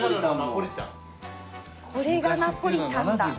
これがナポリタンだ。